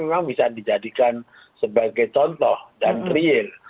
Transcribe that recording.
yang dijadikan sebagai contoh dan kriir